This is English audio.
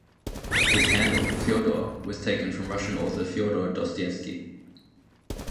His "handle", Fyodor, was taken from Russian author Fyodor Dostoyevsky.